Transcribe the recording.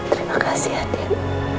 terima kasih adil